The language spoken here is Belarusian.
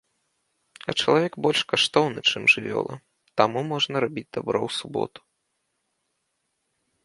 А чалавек больш каштоўны, чым жывёла, таму можна рабіць дабро ў суботу.